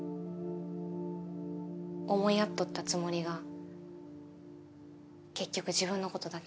思い合っとったつもりが結局自分のことだけ。